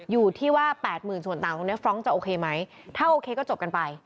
อยู่ที่ว่า๘๐๐๐ส่วนต่างตรงนี้ฟรองก์จะโอเคไหมถ้าโอเคก็จบกันไป